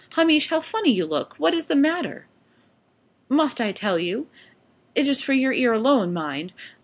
"Hamish, how funny you look! What is the matter?" "Must I tell you? It is for your ear alone, mind.